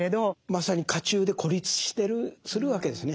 まさに家中で孤立するわけですね。